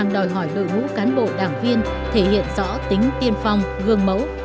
đội ngũ cán bộ đảng viên thể hiện rõ tính tiên phong gương mẫu